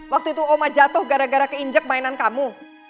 waktu itu oma jatuh gara gara keinjek mainan kamu